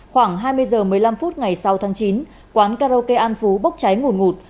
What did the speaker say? khoảng hai mươi h một mươi năm phút ngày sáu tháng chín quán karaoke an phú bốc cháy ngủn ngụt